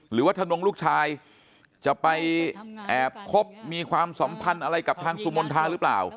วัฒนงลูกชายจะไปแอบคบมีความสัมพันธ์อะไรกับทางสุมนทาหรือเปล่า